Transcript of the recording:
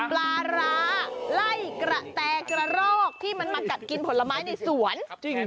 ปลาร้าไล่กระแตกระรอกที่มันมากัดกินผลไม้ในสวน